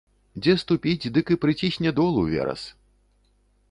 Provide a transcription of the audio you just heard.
Дзе ступіць, дык і прыцісне долу верас.